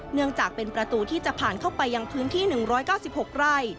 เนื่องจากเป็นประตูที่จะผ่านเข้าไปยังพื้นที่๑๙๖ไร่